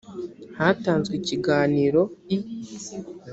hatanzwe ikiganiroi